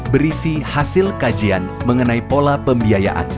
berisi hasil kajian mengenai pola pembiayaan